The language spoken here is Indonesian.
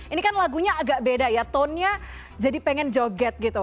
ini kan lagunya agak beda ya tonenya jadi pengen joget gitu